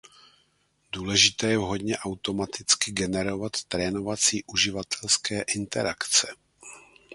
Důležité je vhodně aumaticky generovat trénovací uživatelské interakce.